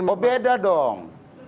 oh beda dong